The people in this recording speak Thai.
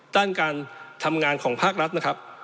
ด้านการทำงานของภาครัฐนะครับ